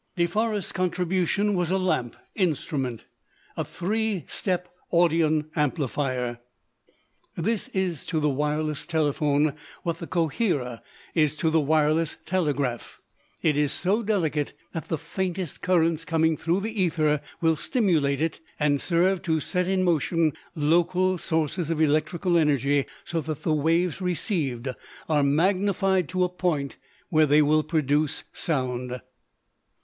De Forest's contribution was a lamp instrument, a three step audion amplifier. This is to the wireless telephone what the coherer is to the wireless telegraph. It is so delicate that the faintest currents coming through the ether will stimulate it and serve to set in motion local sources of electrical energy so that the waves received are magnified to a point where they will produce sound.